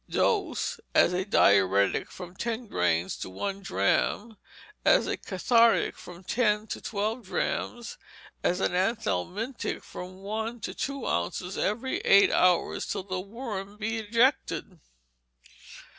Dose, as a diuretic, from ten grains to one drachm; as a cathartic, from ten to twelve drachms; as an anthelmintic, from one to two ounces every eight hours, till the worm be ejected.